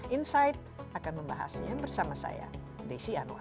insight akan membahasnya bersama saya desi anwar